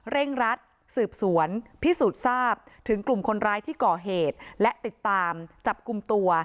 รัดสืบสวนพิสูจน์ทราบถึงกลุ่มคนร้ายที่ก่อเหตุและติดตามจับกลุ่มตัว